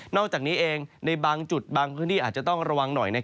อกจากนี้เองในบางจุดบางพื้นที่อาจจะต้องระวังหน่อย